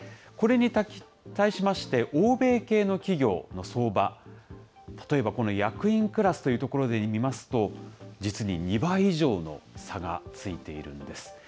これに対しまして、欧米系の企業の相場、例えば、この役員クラスというところで見ますと、実に２倍以上の差がついているんです。